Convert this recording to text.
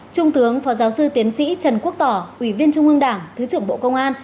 trung tướng phó giáo sư tiến sĩ trần quốc tỏ ủy viên trung ương đảng thứ trưởng bộ công an